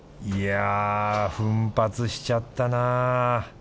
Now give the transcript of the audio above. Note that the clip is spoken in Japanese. いや奮発しちゃったな。